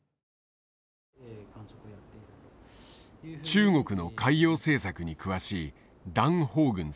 中国の海洋政策に詳しい段烽軍さん。